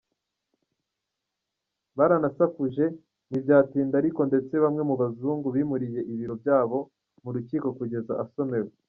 Baranasakuje ntibyatinda ariko, ndetse bamwe mu bazungu bimuriye ibiro byabo mu rukiko kugeza asomewe.